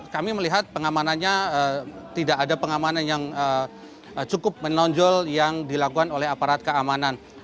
kami melihat pengamanannya tidak ada pengamanan yang cukup menonjol yang dilakukan oleh aparat keamanan